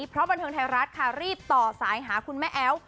เพราะบันเทิงไทยรัฐค่ะรีบต่อสายหาคุณแม่แอ๋ว